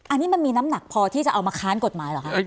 อันนี้มันมีน้ำหนักพอที่จะเอามาค้านกฎหมายเหรอคะ